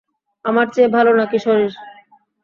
আমার চেয়ে ভাল নাকি শরীর?